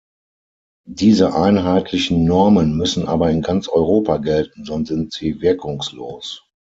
Diese einheitlichen Normen müssen aber in ganz Europa gelten, sonst sind sie wirkungslos.